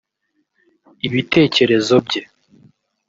ibitekerezo bye